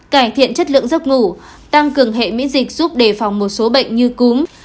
cải thiện chất lượng giấc ngủ tăng cường hệ miễn dịch giúp đề phòng một số bệnh như cúm